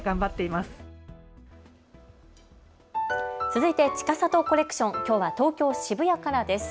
続いてちかさとコレクション、きょうは東京渋谷からです。